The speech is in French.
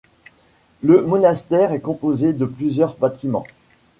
Le monastère est composé de plusieurs bâtiments.